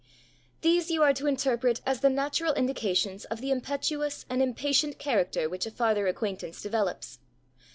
These you are to interpret as the natural indications of the impetuous and impatient character which a farther acquaintance developes.